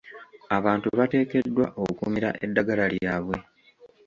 Abantu bateekeddwa okumira eddagala lyabwe.